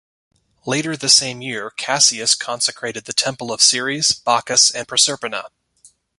Later the same year, Cassius consecrated the temple of Ceres, Bacchus, and Proserpina.